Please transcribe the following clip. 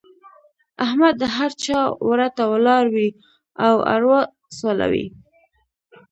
احمد د هر چا وره ته ولاړ وي او اروا سولوي.